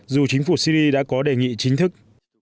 dù chính phủ syri đã có đề nghị chính thức